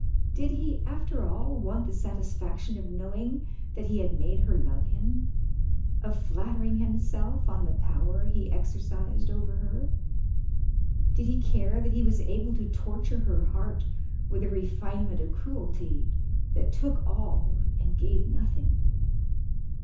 Did he, after all, want the satisfaction of knowing that he had made her love him of flattering himself on the power he exercised over her? Did he care that he was able to torture her heart with a refinement of cruelty that took all and gave nothing?